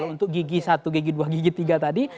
untuk gigi satu dua tiga tadi